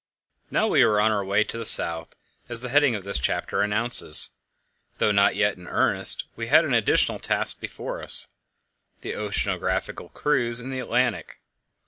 Now we were on our way to the South, as the heading of this chapter announces, though not yet in earnest. We had an additional task before us: the oceanographical cruise in the Atlantic.